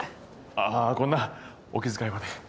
ああこんなお気遣いまで。